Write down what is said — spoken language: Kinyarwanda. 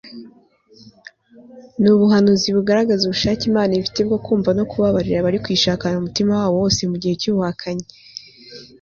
n'ubuhanuzi bugaragaza ubushake imana ifite bwo kumva no kubabarira abari kuyishakana umutima wabo wose mu gihe cy'ubuhakanyi